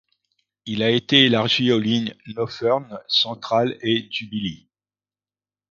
Il a été élargi aux lignes Nothern, Central et Jubilee.